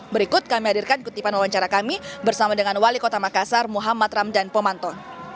berikut kami hadirkan kutipan wawancara kami bersama dengan wali kota makassar muhammad ramdan pomanto